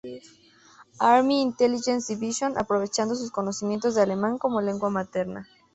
Army Intelligence Division, aprovechando sus conocimientos de alemán como lengua materna.